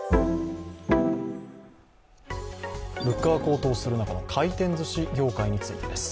物価が高騰する中、回転ずし業界についてです。